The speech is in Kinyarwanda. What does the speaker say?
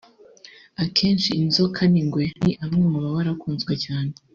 akenshi inzoka n’ingwe ni amwe mu mabara akunzwe cyane